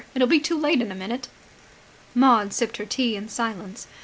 It'll be too late in a minute." Maud sipped her tea in silence.